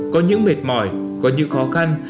có những mệt mỏi có những khó khăn